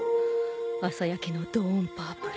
朝焼けのドーン・パープル。